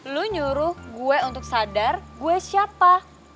lu nyuruh gue untuk sadar gue siapa